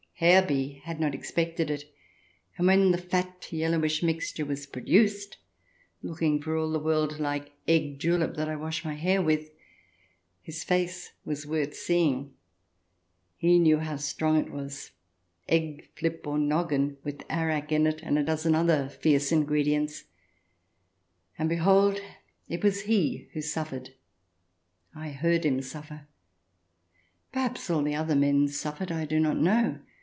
Herr B had not expected it, and when the fat, yellowish mixture was produced, looking for all the world like egg julep that I wash my hair with, his face was worth seeing. He knew how strong it was, egg flip or noggin, with arack in it and a dozen other fierce ingredients. And behold! it was he who suffered ; I heard him suffer. Perhaps all the other men suffered. I do not know.